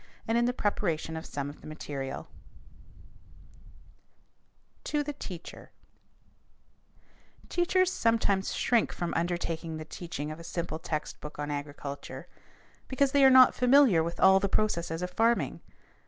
LIFE IN THE COUNTRY 330 APPENDIX 339 GLOSSARY 342 INDEX 351 TO THE TEACHER Teachers sometimes shrink from undertaking the teaching of a simple textbook on agriculture because they are not familiar with all the processes of farming.